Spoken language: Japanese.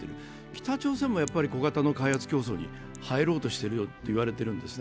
北朝鮮も小型の開発競争に入ろうとしていると言われているんです。